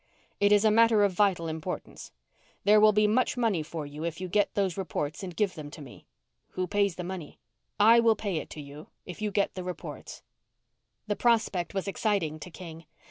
"It is a matter of vital importance. There will be much money for you if you get those reports and give them to me." "Who pays the money?" "I will pay it to you if you get the reports." The prospect was exciting to King.